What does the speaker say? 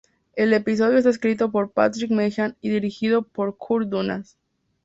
El episodio está escrito por Patrick Meighan y dirigido por Kurt Dumas.